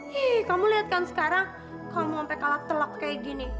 hei kamu lihat kan sekarang kamu sampai kalak telak kayak gini